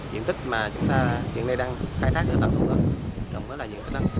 diện tích mà chúng ta hiện nay đang khai thác được tặng thu đó